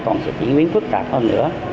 còn sẽ diễn biến phức tạp hơn nữa